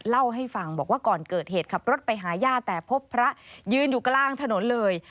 เล่าให้ฟังบอกว่าก่อนเกิดเหตุขับรถไปหาย่าแต่พบพระยืนอยู่กลางถนนเลย